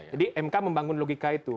jadi mk membangun logika itu